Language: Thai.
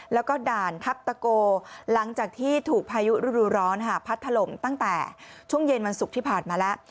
แล้วก็ด่านทัพตะโกหลังจากที่ถูกพายุฤดูร้อนพัดถล่มตั้งแต่ช่วงเย็นวันศุกร์ที่ผ่านมาแล้ว